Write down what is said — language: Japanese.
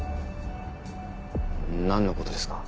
何のことですか？